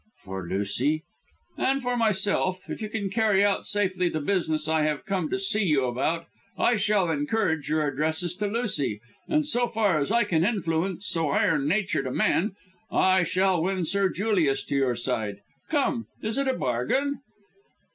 "For Lucy?" "And for myself. If you can carry out safely the business I have come to see you about I shall encourage your addresses to Lucy, and, so far as I can influence so iron natured a man, I shall win Sir Julius to your side. Come, is it a bargain?"